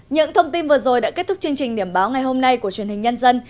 những thông tin vừa rồi đã kết thúc chương trình điểm báo ngày hôm nay của truyền hình nhân dân